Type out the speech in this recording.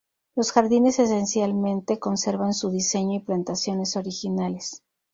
Los jardines esencialmente conservan su diseño y plantaciones originales.